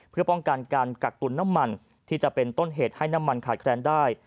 เพื่อป้องกันการกักตุลน้ำมันที่จะเป็นต้นเหตุให้น้ำมันขาดแคลนได้